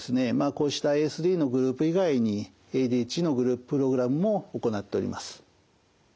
こうしたＡＳＤのグループ以外にＡＤＨＤのグループプログラムも行っております。